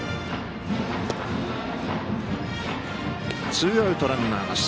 ツーアウト、ランナーなし。